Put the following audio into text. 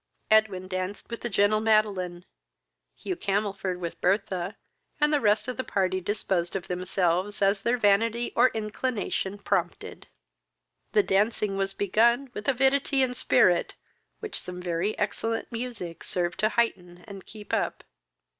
Edwin danced with the gentle Madeline; Hugh Camelford with Bertha, and the rest of the party disposed of themselves as their vanity or inclination prompted. The dancing was begun with avidity and spirit, which some very excellent music served to heighten and keep up.